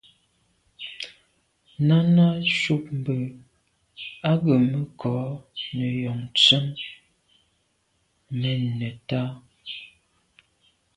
Náná cúp mbə̄ á gə̀ mə́ kɔ̌ nə̀ jɔ̌ŋ tsjə́n mɛ́n nə̀tá.